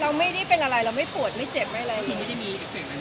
หนูไม่ได้เป็นอะไรเราไม่ปวดไม่เจ็บไม่อะไร